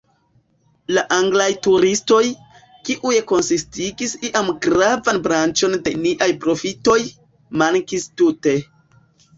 La Anglaj turistoj, kiuj konsistigis iam gravan branĉon de niaj profitoj, mankis tute.